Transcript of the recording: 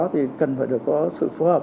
thì cần phải được có sự phù hợp